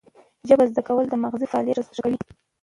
ژبه زده کول د مغزي فعالیت ښه کوي.